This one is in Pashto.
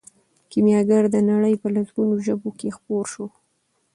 کیمیاګر د نړۍ په لسګونو ژبو کې خپور شو.